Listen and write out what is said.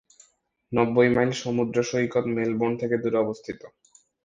নব্বই মাইল সমুদ্র সৈকত মেলবোর্ন থেকে দূরে অবস্থিত।